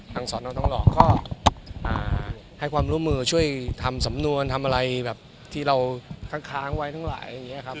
สอนอทองหล่อก็ให้ความร่วมมือช่วยทำสำนวนทำอะไรแบบที่เราค้างไว้ทั้งหลายอย่างนี้ครับ